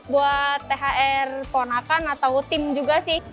buat thr ponakan atau tim juga sih